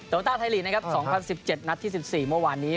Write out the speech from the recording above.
โลต้าไทยลีกนะครับ๒๐๑๗นัดที่๑๔เมื่อวานนี้